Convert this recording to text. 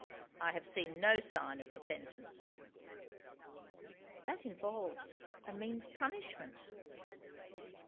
I have seen no sign of repentance." "That involves, and means, punishment."